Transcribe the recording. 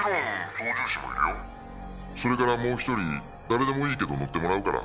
それからもう１人誰でもいいけど乗ってもらうから。